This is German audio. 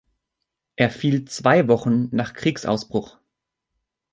Er fiel zwei Wochen nach Kriegsausbruch.